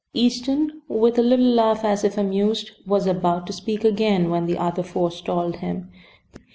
Easton, with a little laugh, as if amused, was about to speak again when the other forestalled him.